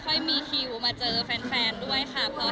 ที่คนไทยพันกลับมารัก